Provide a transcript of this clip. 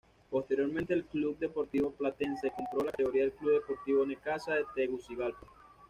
Posteriormente el Club Deportivo Platense compró la categoría del Club Deportivo Necaxa de Tegucigalpa.